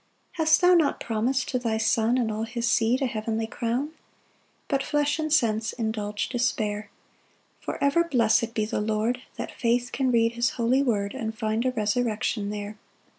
3 Hast thou not promis'd to thy Son And all his seed a heavenly crown? But flesh and sense indulge despair; For ever blessed be the Lord, That faith can read his holy word, And find a resurrection there.